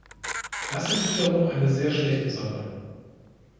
Das ist wiederum eine sehr schlechte Sache.